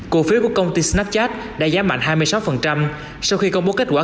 cổ phiếu của công ty snapchat đã giá mạnh hai mươi sáu sau khi công bố kết quả